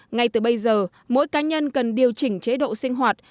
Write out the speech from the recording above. ngay từ bây giờ mỗi cá nhân cần điều chỉnh chế độ sinh hoạt